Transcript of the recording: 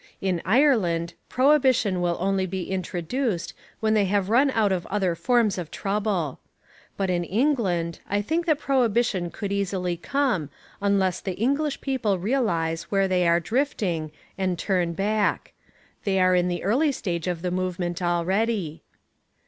In Ireland, prohibition will only be introduced when they have run out of other forms of trouble. But in England I think that prohibition could easily come unless the English people realise where they are drifting and turn back. They are in the early stage of the movement already.